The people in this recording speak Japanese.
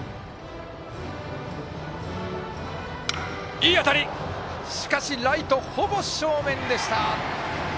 いい当たりもライトほぼ正面でした。